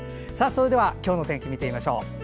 それでは今日の天気見てみましょう。